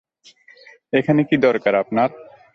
এখানে কি দরকার আপনার?